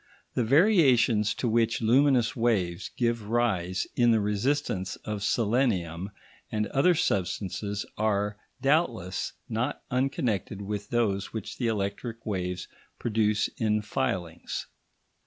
The variations to which luminous waves give rise in the resistance of selenium and other substances are, doubtless, not unconnected with those which the electric waves produce in filings.